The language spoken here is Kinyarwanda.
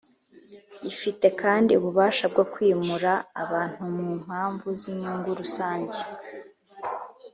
Ifite kandi ububasha bwo kwimura abantu ku mpamvu z’inyungu rusange.